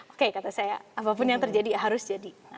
oke kata saya apapun yang terjadi harus jadi